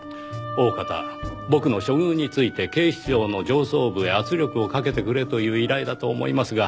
大方僕の処遇について警視庁の上層部へ圧力をかけてくれという依頼だと思いますが。